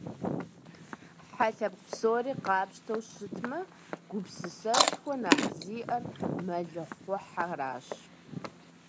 Хьэ лъэпкъ псори къапщтэу щытмэ, гупсысэшхуэ нэхъ зиӀэр мэлыхъуэхьэращ.